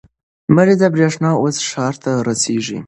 لمریزه برېښنا اوس ښار ته رسیږي.